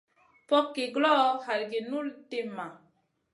Fogki guloʼo, halgi guʼ nul timma.